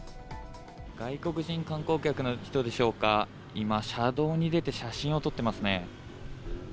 外国人観光客の人でしょうか、今、車道に出て、写真を撮ってますね。